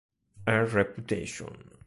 Her Reputation